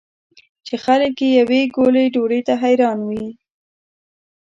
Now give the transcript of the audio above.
چې خلک یې یوې ګولې ډوډۍ ته حیران وي.